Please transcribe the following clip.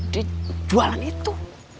di jualan itu